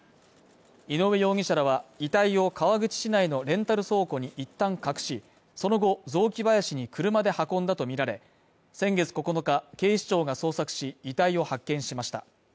井上容疑者は、遺体を川口市内のレンタル倉庫に一旦隠し、その後、雑木林に車で運んだとみられ、先月９日、警視庁が捜索し、遺体を発見しました。